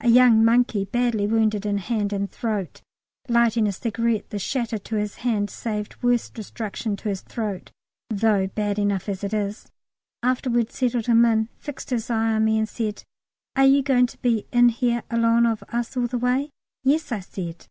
A young monkey, badly wounded in hand and throat (lighting a cigarette the shatter to his hand saved worse destruction to his throat, though bad enough as it is), after we'd settled him in, fixed his eye on me and said, "Are you going to be in here along of us all the way?" "Yes," I said.